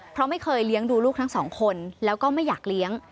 เพราะไม่เคยเลี้ยงดูลูกทั้งสองคนแล้วก็ไม่อยากเลี้ยง